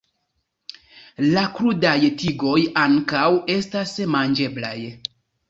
La krudaj tigoj ankaŭ estas manĝeblaj.